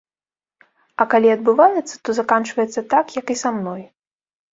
А калі адбываецца, то заканчваецца так, як і са мной.